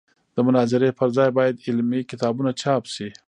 د مناظرې پر ځای باید علمي کتابونه چاپ شي.